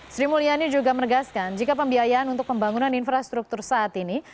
sri mulyani juga menegaskan jika pembiayaan untuk pembangunan infrastruktur saat ini